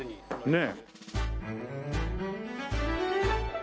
ねえ。